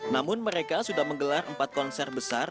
namun mereka sudah menggelar empat konser besar